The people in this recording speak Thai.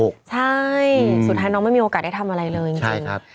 ใช่สุดท้ายน้องไม่มีโอกาสได้ทำอะไรเลยจริง